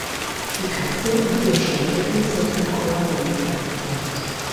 Die Kanzel und ihr Schalldeckel sind am Chorbogen angebracht.